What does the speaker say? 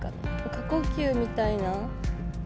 過呼吸みたいな。